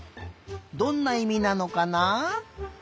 どんないみなのかな？